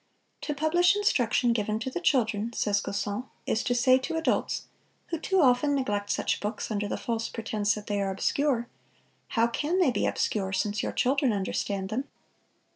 "To publish instruction given to the children," says Gaussen, "is to say to adults, who too often neglect such books under the false pretense that they are obscure, 'How can they be obscure, since your children understand them?